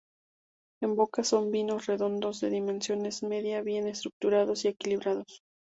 En boca son vinos redondos, de dimensión media, bien estructurados y equilibrados.